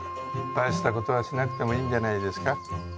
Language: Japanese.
大した事はしなくてもいいんじゃないですか。